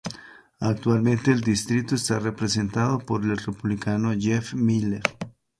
Actualmente el distrito está representado por el Republicano Jeff Miller.